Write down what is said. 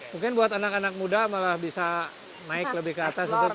mungkin buat anak anak muda malah bisa naik lebih ke atas untuk main air